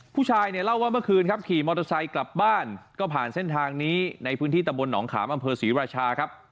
ผู้ชายเนี่ยเล่าว่าเมื่อคืนครับขี่มอเตอร์ไซค์กลับบ้านก็ผ่านเส้นทางนี้ในพื้นที่ตำบลหนองขามอำเภอศรีราชาครับ